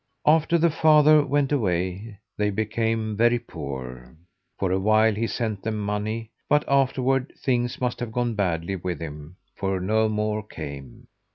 After the father went away they became very poor. For awhile he sent them money, but afterward things must have gone badly with him, for no more came.